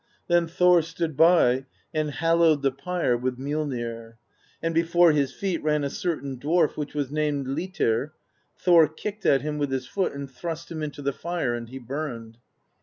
Then Thor stood by and hallowed the pyre with MjoUnir; and before his feet ran a certain dwarf which was named Litr; Thor kicked at him with his foot and thrust him into the fire, and he burned.